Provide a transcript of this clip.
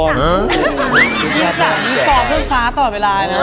นี่ฟ้าเวอร์ไปต่อเวลา